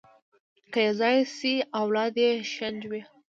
که یو ځای شي، اولاد یې شنډ وي.